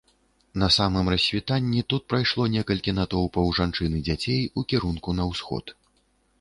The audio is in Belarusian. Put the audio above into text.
На самым рассвітанні тут прайшло некалькі натоўпаў жанчын і дзяцей у кірунку на ўсход.